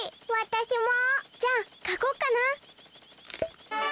じゃあかこうかな。